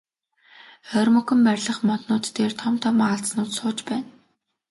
Ойрмогхон байрлах моднууд дээр том том аалзнууд сууж байна.